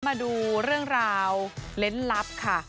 มาดูเรื่องราวเล่นลับค่ะ